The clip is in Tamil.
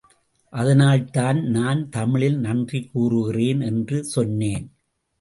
அதனால்தான் நான் தமிழில் நன்றி கூறுகிறேன். என்று சொன்னேன்.